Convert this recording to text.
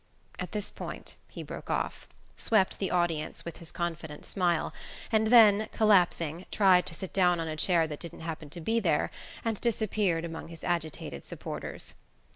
At this point he broke off, swept the audience with his confident smile, and then, collapsing, tried to sit down on a chair that didn't happen to be there, and disappeared among his agitated supporters.